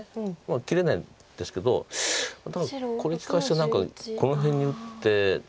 切れないですけど多分これ利かした何かこの辺に打って。